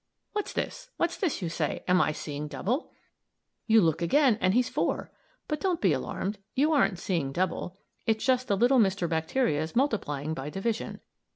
"What's this! What's this!" you say. "Am I seeing double?" You look again and he's four! But don't be alarmed, you aren't seeing double; it's just the little Mr. Bacterias multiplying by division.